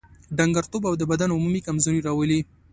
ډنګرتوب او د بدن عمومي کمزوري راولي.